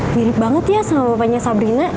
mirip banget ya sama bapaknya sabrina